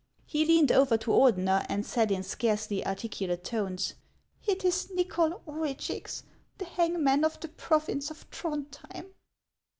He leaned over to Ordener, and said in scarcely articulate tones, " It is Nychol Orugix, the hang man of the province of Throndhjein